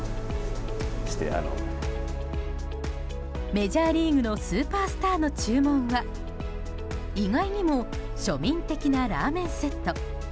メジャーリーグのスーパースターの注文は意外にも庶民的なラーメンセット。